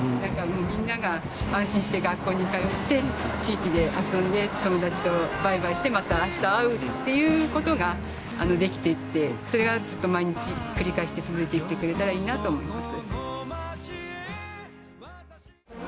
みんなが安心して学校に通って地域で遊んで友達とバイバイしてまた明日会うっていうことができていってそれがずっと毎日繰り返して続いていってくれたらいいなと思います。